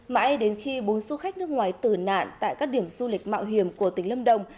mãi đến khi bốn du khách nước ngoài tử nạn tại các điểm du lịch mạo hiểm của tỉnh lâm đồng